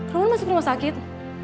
roman masuk rumah sakit